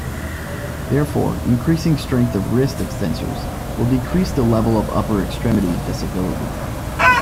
Therefore, increasing strength of wrist extensors will decrease the level of upper extremity disability.